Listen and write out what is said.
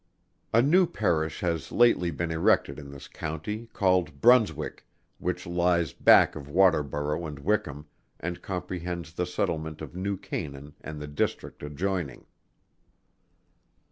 A new Parish has lately been erected in this County, called Brunswick, which lies back of Waterborough and Wickham, and comprehends the settlement of New Canaan and the district adjoining.